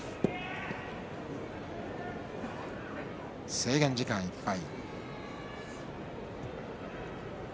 制限時間いっぱい。